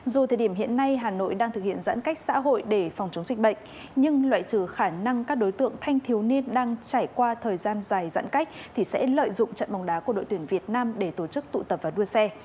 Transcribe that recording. dù thời điểm hiện nay hà nội đang thực hiện giãn cách xã hội để phòng chống dịch bệnh nhưng loại trừ khả năng các đối tượng thanh thiếu niên đang trải qua thời gian dài giãn cách thì sẽ lợi dụng trận bóng đá của đội tuyển việt nam để tổ chức tụ tập và đua xe